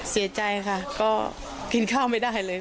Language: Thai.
เสียใจค่ะก็กินข้าวไม่ได้เลย